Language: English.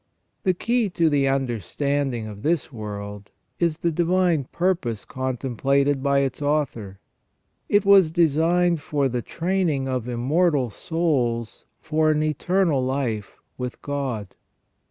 The key to the understanding of this world is the divine purpose comtemplated by its Author ; it was designed for the training of immortal souls for an eternal life with God.